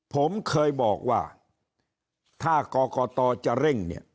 ผมเคยบอกว่าถ้ากรกตจะเร่งเนี่ย